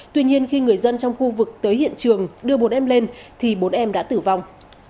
tuy nhiên khi người dân trong khu vực tới hiện trường đưa một em lên thì bốn em đã tử vong